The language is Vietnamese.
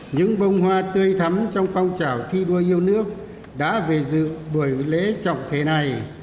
những bông hoa tươi thắm trong phong trào thi đua yêu nước đã về dự buổi lễ trọng thể này